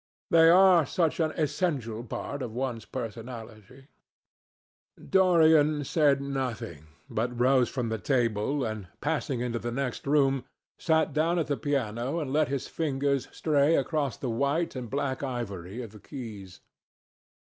They are such an essential part of one's personality." Dorian said nothing, but rose from the table, and passing into the next room, sat down to the piano and let his fingers stray across the white and black ivory of the keys.